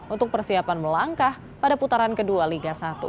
untuk persiapan melangkah pada putaran ke dua liga satu